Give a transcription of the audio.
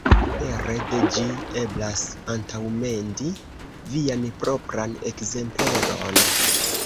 Pere de ĝi, eblas antaŭmendi vian propran ekzempleron.